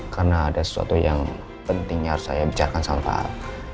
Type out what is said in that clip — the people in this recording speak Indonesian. karena ada sesuatu yang pentingnya harus saya bicarakan sama pak al